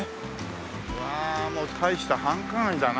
うわもう大した繁華街だな